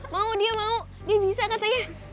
mau dia mau dia bisa katanya